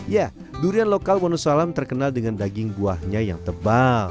ya durian lokal wonosalam terkenal dengan daging buahnya yang tebal